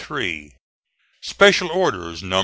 Special Orders, No.